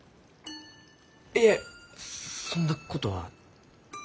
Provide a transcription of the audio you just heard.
いえそんなことは。